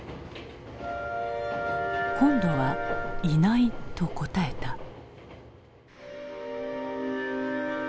今度はいないと答えた。